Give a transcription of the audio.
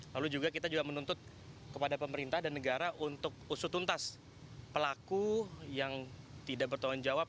lalu juga kita juga menuntut kepada pemerintah dan negara untuk usutuntas pelaku yang tidak bertanggung jawab